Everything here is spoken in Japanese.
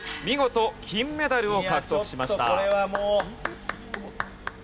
見事金メダルを獲得しました。